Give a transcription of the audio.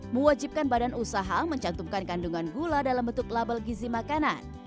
mewajibkan badan usaha mencantumkan kandungan gula dalam bentuk label gizi makanan